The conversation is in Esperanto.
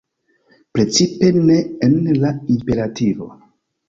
Precipe ne en la imperativo.